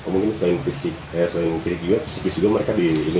mungkin selain fisik selain fisik juga mereka di